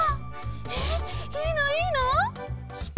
えっいいのいいの！？